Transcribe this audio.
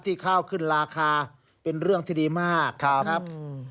ข้าวขึ้นราคาเป็นเรื่องที่ดีมากครับ